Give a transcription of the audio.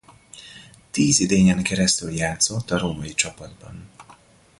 Tíz idényen keresztül játszott a római csapatban.